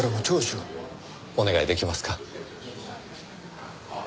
お願い出来ますか？